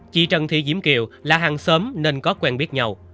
chị trần thị diễm kiều là hàng xóm nên có quen biết nhau